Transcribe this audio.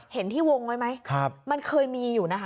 เห็นที่วงไว้ไหมมันเคยมีอยู่นะคะ